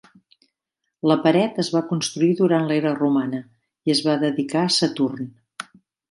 La pared es va construir durant l"era romana i es va dedicar a Saturn.